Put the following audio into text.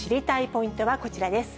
ポイントはこちらです。